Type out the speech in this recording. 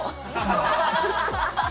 ハハハハ！